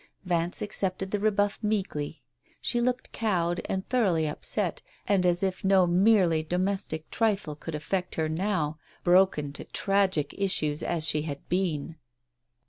Vance accepted the rebuff meekly. She looked cowed and thoroughly upset, and as if no merely domestic trifle could affect her now, broken to tragic issues as she had been.